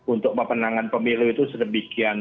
untuk memenangan pemilih itu sedemikian